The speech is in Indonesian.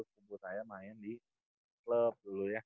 tubuh saya main di klub dulu ya